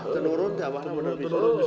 tenurut abah nak